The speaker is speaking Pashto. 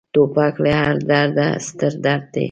توپک له هر درده ستر درد دی.